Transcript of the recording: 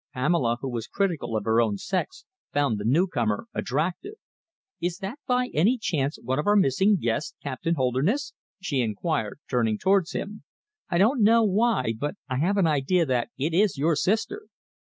Pamela, who was critical of her own sex, found the newcomer attractive. "Is that, by any chance, one of our missing guests, Captain Holderness?" she inquired, turning towards him. "I don't know why, but I have an idea that it is your sister."